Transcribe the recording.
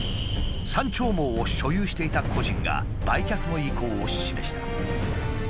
「山鳥毛」を所有していた個人が売却の意向を示した。